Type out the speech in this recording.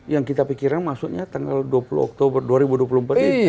yang kita pikirkan masuknya tanggal dua puluh oktober dua ribu dua puluh empat ini